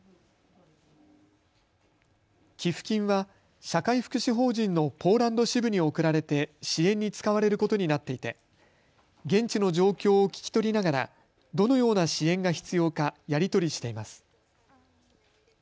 寄付金は社会福祉法人のポーランド支部に送られて支援に使われることになっていて現地の状況を聞き取りながらどのような支援が必要かやり取りしています。